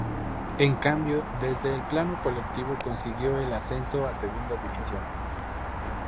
En cambio, desde el plano colectivo consiguió el ascenso a Segunda División.